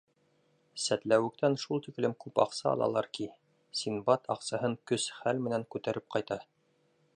Сәтләүектән шул тиклем күп аҡса алалар ки, Синдбад аҡсаһын көс-хәл менән күтәреп ҡайта.